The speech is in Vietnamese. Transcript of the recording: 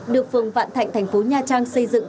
được phường vạn thạnh thành phố nha trang xây dựng